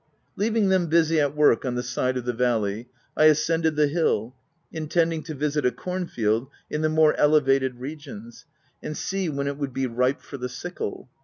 Leaving them busy at work on the side of the valley, I ascended the hill, intending to visit a corn field in the more elevated regions, and see when it would be ripe for the sickle.